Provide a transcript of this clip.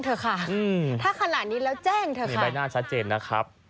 เถอะค่ะถ้าขนาดนี้แล้วแจ้งเถอะมีใบหน้าชัดเจนนะครับ